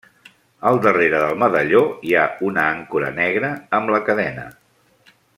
Al darrere del medalló hi ha una àncora negra amb la cadena.